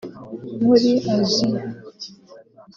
muri Aziya